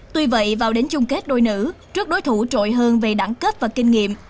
tuy vậy vào đến chung kết đôi nữ trước đối thủ trội hơn về đẳng cấp và kinh nghiệm